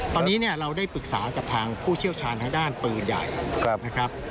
ตอนนี้เนี่ยเราได้ปรึกษากับทางผู้เชี่ยวชาญทางด้านปืนใหญ่นะครับ